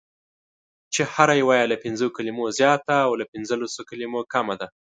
چې هره یوه یې له پنځو کلمو زیاته او له پنځلسو کلمو کمه ده: